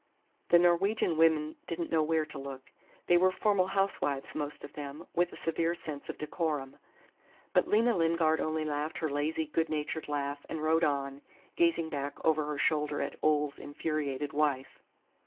…" The Norwegian women did n't know where to look. They were formal housewives, most of them, with a severe sense of decorum. But Lena Lingard only laughed her lazy, good natured laugh and rode on, gazing back over her shoulder at Ole's infuriated wife.